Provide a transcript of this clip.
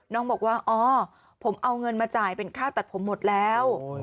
น้องบอกว่าอ๋อผมเอาเงินมาจ่ายเป็นค่าตัดผมหมดแล้ว